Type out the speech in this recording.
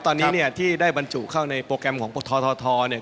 ตอนนี้เนี่ยที่ได้บรรจุเข้าในโปรแกรมของททเนี่ย